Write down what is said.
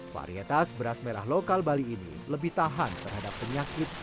varietas beras merah lokal bali ini lebih tahan terhadap penyakit